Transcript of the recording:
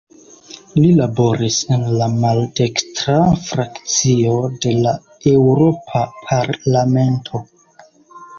Li laboris en la maldekstra frakcio de la Eŭropa Parlamento.